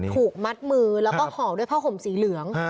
ถูกมัดมือแล้วก็ห่อด้วยผ้าห่มสีเหลือง